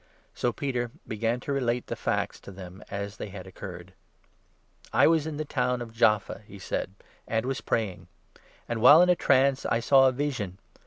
So Peter began to relate the facts to them as they had oc 4 curred. " I was in the town of Jaffa," he said, " and was praying ; 5 and, while in a trance, I saw a vision.